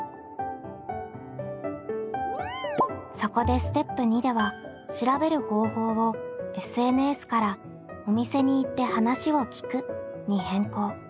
そこでステップ２では調べる方法を「ＳＮＳ」から「お店に行って話を聞く」に変更。